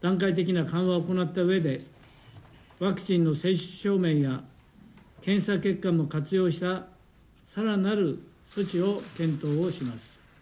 段階的な緩和を行ったうえで、ワクチンの接種証明や検査結果を活用したさらなる措置を検討をします。